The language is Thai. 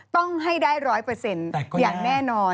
ต้องให้ได้ร้อยเปอร์เซ็นต์อย่างแน่นอน